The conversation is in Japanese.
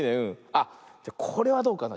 あっこれはどうかな。